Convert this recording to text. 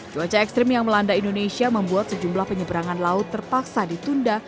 cuaca ekstrim yang melanda indonesia membuat sejumlah penyeberangan laut terpaksa ditunda